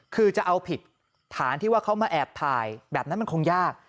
คือจะเอาผิดฐานที่ว่าเขามาแอบถ่ายแบบนั้นมันคงยาก